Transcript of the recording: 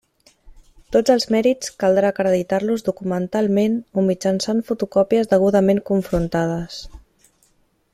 Tots els mèrits caldrà acreditar-los documentalment o mitjançant fotocòpies degudament confrontades.